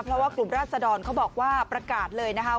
เพราะว่ากลุ่มราชดรเขาบอกว่าประกาศเลยนะคะ